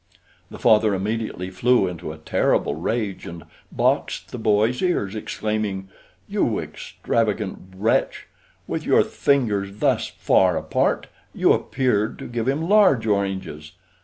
The father immediately flew into a terrible rage and boxed the boy's ears, exclaiming: "You extravagant wretch! With your fingers thus far apart you appeared to give him large oranges.